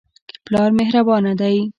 پلار مهربانه دی.